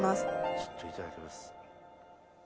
ちょっといただきます。